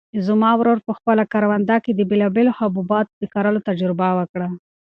زما ورور په خپله کرونده کې د بېلابېلو حبوباتو د کرلو تجربه وکړه.